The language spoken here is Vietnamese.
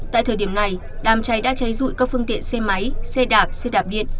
tại thời điểm này đàm cháy đã cháy rụi các phương tiện xe máy xe đạp xe đạp điện